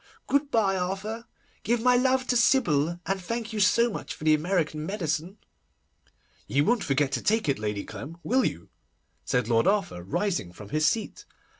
Good bye, Arthur, give my love to Sybil, and thank you so much for the American medicine.' 'You won't forget to take it, Lady Clem, will you?' said Lord Arthur, rising from his seat.